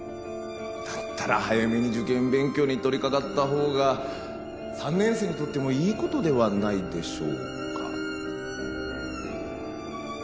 だったら早めに受験勉強に取り掛かった方が３年生にとってもいいことではないでしょうか。